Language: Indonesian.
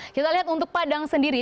kita lihat untuk padang sendiri